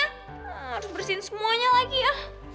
harus bersihin semuanya lagi ya